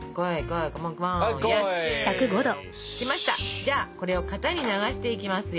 じゃあこれを型に流していきますよ。